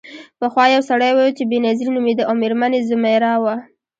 پخوا یو سړی و چې بینظیر نومیده او میرمن یې ځمیرا وه.